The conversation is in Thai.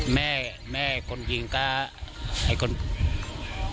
แม่คนยิงก็ไอคนเจ็บ